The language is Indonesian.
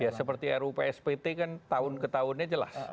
ya seperti rupspt kan tahun ke tahunnya jelas